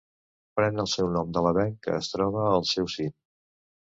Pren el seu nom de l'avenc que es troba al seu cim.